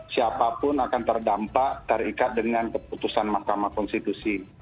siapapun akan terdampak terikat dengan keputusan mahkamah konstitusi